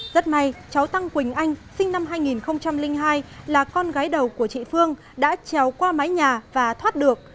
rất may cháu tăng quỳnh anh sinh năm hai nghìn hai là con gái đầu của chị phương đã trèo qua mái nhà và thoát được